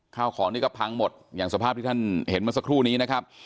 ข้าวของนี่ก็พังหมดอย่างสภาพที่ท่านเห็นเมื่อสักครู่นี้นะครับ